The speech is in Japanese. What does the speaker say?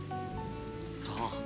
さあ。